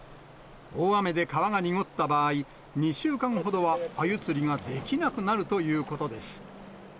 大雨で川が濁った場合、２週間ほどはアユ釣りができなくなるということです。